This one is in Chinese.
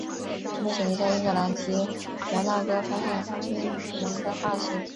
目前已在英格兰及摩纳哥发现鲸龙的化石。